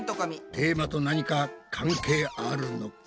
テーマと何か関係あるのか？